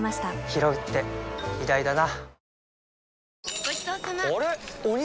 ひろうって偉大だな